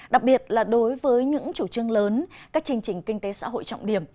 đặc biệt là đối với những chủ trương lớn các chương trình kinh tế xã hội trọng điểm